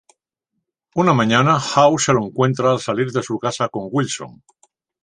Una mañana House se lo encuentra al salir de su casa con Wilson.